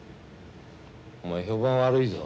お前評判悪いぞ。